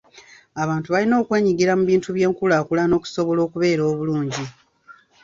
Abantu balina okwenyigira mu bintu by'enkulaakulana okusobola okubeera obulungi.